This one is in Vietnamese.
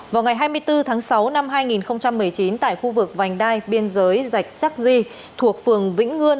vào ngày hai mươi bốn tháng sáu năm hai nghìn một mươi chín tại khu vực vành đai biên giới rạch chắc di thuộc phường vĩnh ngươn